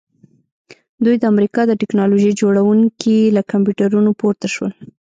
دوی د امریکا د ټیکنالوژۍ جوړونکي له کمپیوټرونو پورته شول